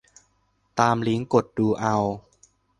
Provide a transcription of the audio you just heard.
ตามลิงก์ กดดูเอา